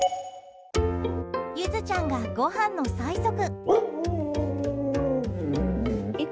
ゆずちゃんがごはんの催促。